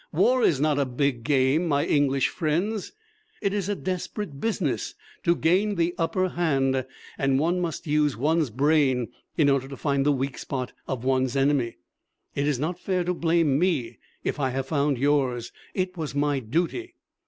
War is not a big game, my English friends. It is a desperate business to gain the upper hand, and one must use one's brain in order to find the weak spot of one's enemy. It is not fair to blame me if I have found yours. It was my duty.